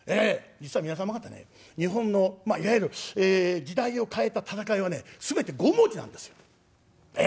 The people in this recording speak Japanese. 実は皆様方ね日本のまあいわゆる時代を変えた戦いはね全て５文字なんですよ。ええ。